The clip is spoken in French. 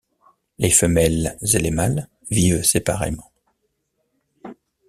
Les femelles et les mâles vivent séparément.